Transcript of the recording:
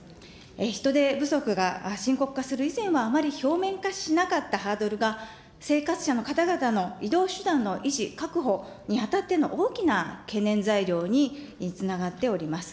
人手不足が深刻化する以前はあまり表面化しなかったハードルが、生活者の方々の移動手段の維持確保に当たっての大きな懸念材料につながっております。